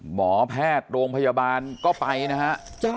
หมอแพทย์โรงพยาบาลก็ไปนะฮะ